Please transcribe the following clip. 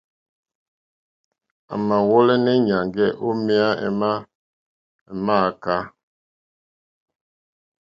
A mà wɔ̀lɛ̀nɛ̀ nyàŋgɛ̀ o meya ema me ma akɛ̀ɛ̀.